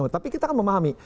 tapi kita kan memahami